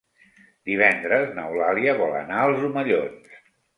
Divendres n'Eulàlia vol anar als Omellons.